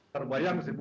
terbayang sih bu